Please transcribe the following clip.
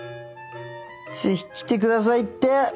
ぜひ来てくださいって！